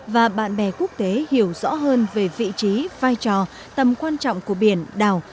và bạn bè quốc tế hiểu rõ hơn về vị trí vai trò tầm quan trọng của biển đảo